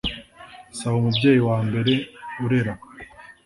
saba umubyeyi wa mbere urera